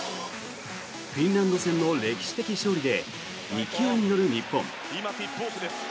フィンランド戦の歴史的勝利で勢いに乗る日本。